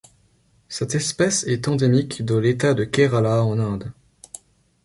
Cette espèce est endémique de l'État de Kerala en Inde.